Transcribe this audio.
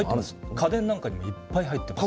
家電なんかにもいっぱい入ってます。